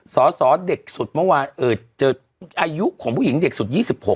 สอสอเด็กสุดเมื่อวานเจออายุของผู้หญิงเด็กสุด๒๖